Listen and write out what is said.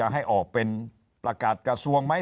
ให้ออกเป็นประกาศกระทรวงไหม